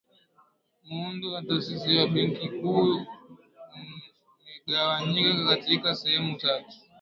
muundo wa taasisi wa benki kuu umegawanyika katika sehemu tatu